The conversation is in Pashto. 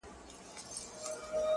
پر وزر د توتکۍ به زېری سپور وي-